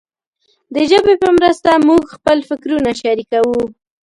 د ژبې په مرسته موږ خپل فکرونه شریکوو.